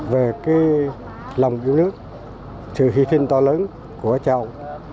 về cái lòng yêu nước sự hy sinh to lớn của châu